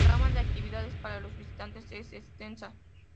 La gama de actividades para los visitante es extensa.